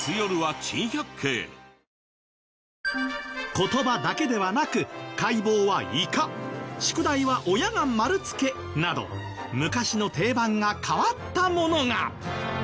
言葉だけではなく解剖はイカ宿題は親が丸付けなど昔の定番が変わったものが。